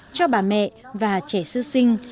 cho bà mẹ và trẻ sư sinh